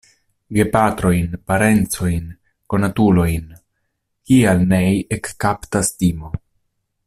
Gepatrojn, parencojn, konatulojn, kial nei ekkaptas timo.